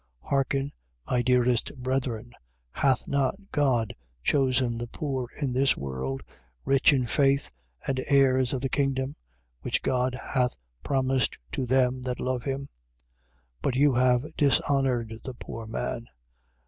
2:5. Hearken, my dearest brethren: Hath not God chosen the poor in this world, rich in faith and heirs of the kingdom which God hath promised to them that love him? 2:6. But you have dishonoured the poor man.